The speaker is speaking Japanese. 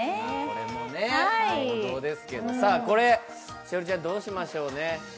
栞里ちゃん、どうしましょうね？